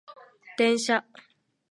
電車